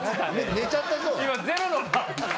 寝ちゃったぞ。